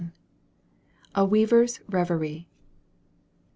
A WEAVER'S REVERIE.